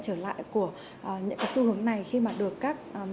trở lại của ờ những cái xu hướng này khi mà được các ờ